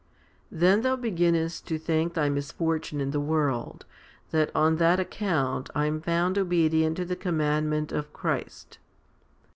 Then thou beginnest to thank thy misfortune in the world, that "on that account I am found obedient to the commandment of Christ."